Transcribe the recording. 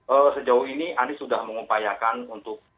ee sejauh ini anis sudah mengupayakan untuk